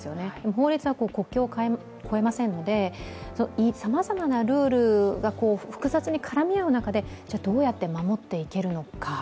法律は国境を越えませんので、さまざまなルールが複雑に絡み合う中でどうやって守っていけるのか。